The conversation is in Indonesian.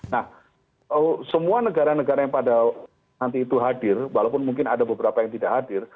nah semua negara negara yang pada nanti itu hadir walaupun mungkin ada beberapa yang tidak hadir